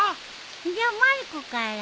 じゃまる子から。